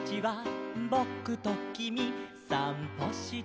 「ぼくときみさんぽして」